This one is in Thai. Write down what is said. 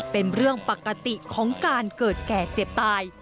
เป็นเรื่องปกติของการเกิดแก่เจ็บตาย